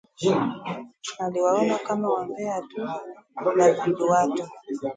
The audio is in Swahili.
Aliwaona kama wambea tu na vidudu-watu